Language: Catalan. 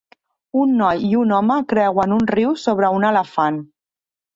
Un noi i un home creuen un riu sobre un elefant.